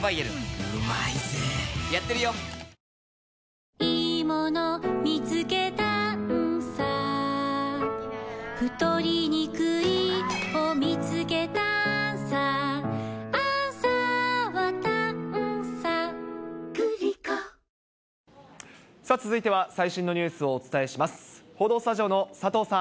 アサヒの緑茶「颯」さあ、続いては最新のニュースをお伝えします。